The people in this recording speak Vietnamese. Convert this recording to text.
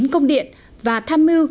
năm mươi chín công điện và tham mưu